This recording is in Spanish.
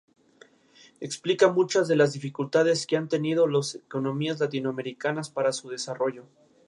Los k"usenaoshi" están hechos de madera o cerámica.